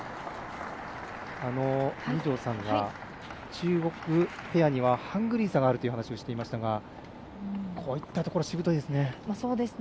二條さんが中国ペアにはハングリーさがあると話していましたがこういったところしぶといですね。